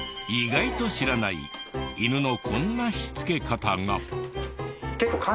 意外と知らない犬のこんなしつけ方が。